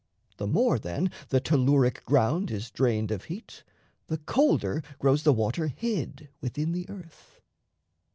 The more, then, the telluric ground is drained Of heat, the colder grows the water hid Within the earth.